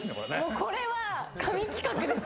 これは、神企画です。